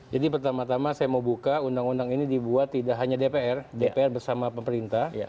jadi pertama tama saya mau buka undang undang ini dibuat tidak hanya dpr dpr bersama pemerintah